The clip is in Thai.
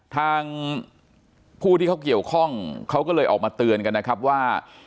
ทางผู้ที่เขาเกี่ยวข้องเขาก็เลยออกมาเตือนกันนะครับว่า